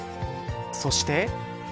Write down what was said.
そして。